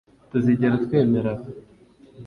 tuzigera twemera aba